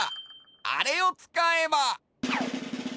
あれをつかえば！